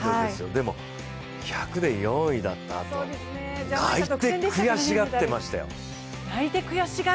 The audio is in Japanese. でも１００で４位だったあと、泣いて悔しがっていましたよ。